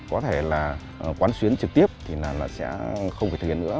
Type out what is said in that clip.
có thể là quán xuyến trực tiếp thì là sẽ không phải thực hiện nữa